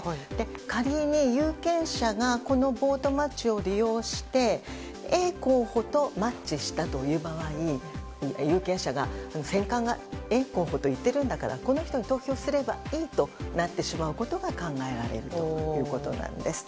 仮に有権者がボートマッチを利用してＡ候補とマッチしたという場合有権者が選管がＡ候補と言っているんだからこの人に投票すればいいとなってしまうことが考えられるということなんです。